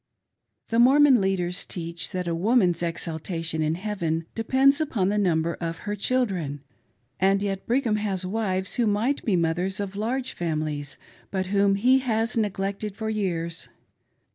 The Mormon leaders teach that a woman's exaltation in 47^ HOW BRIGHAM TREATS HIS WIVES. heaven depends upon the number of her children, and yet Brigham has wives who might be mothers of large families, but whom he has neglected for years.